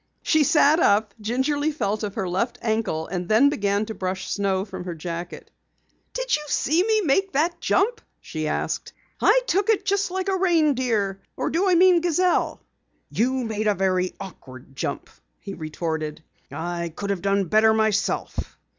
She sat up, gingerly felt of her left ankle and then began to brush snow from her jacket. "Did you see me make the jump?" she asked. "I took it just like a reindeer. Or do I mean a gazelle?" "You made a very awkward jump!" he retorted. "I could have done better myself."